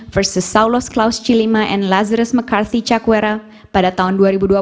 versus saulus klaus cilima and lazarus mccarthy cakwera pada tahun dua ribu dua puluh